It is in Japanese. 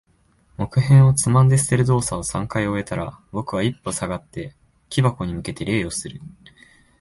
木片をつまんで捨てる動作を三回終えたら、僕は一歩下がって、木箱に向けて礼をする。